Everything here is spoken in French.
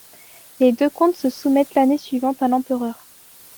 Les deux comtes se soumettent l'année suivante à l'empereur.